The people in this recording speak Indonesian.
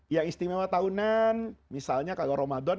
yang istimewa tahunan misalnya kalau ramadan